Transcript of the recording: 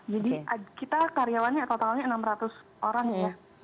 jadi kita karyawannya totalnya enam ratus orang ya